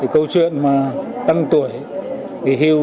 câu chuyện tăng tuổi nghỉ hưu